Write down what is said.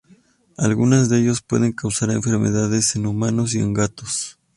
Algunos de ellos pueden causar enfermedades en humanos, y en gatos.